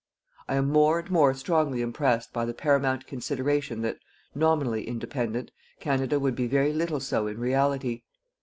I am more and more strongly impressed by the paramount consideration that, nominally independent, Canada would be very little so in reality.